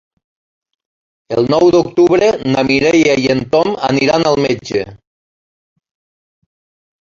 El nou d'octubre na Mireia i en Tom aniran al metge.